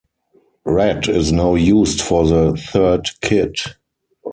Red is now used for the third kit.